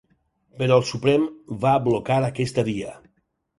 Però el Suprem va blocar aquesta via.